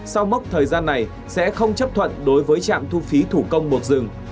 sau mốc thời gian này sẽ không chấp thuận đối với trạm thu phí thủ công một dừng